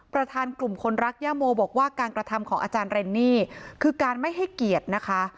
ประธานกลุ่มคนรักย่าโมบอกว่าการกระทำของอาจารย์เรนนี่คือการไม่ให้เกียรตินะคะ